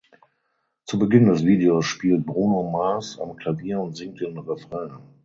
Zu Beginn des Videos spielt Bruno Mars am Klavier und singt den Refrain.